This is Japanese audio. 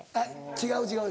「違う違う」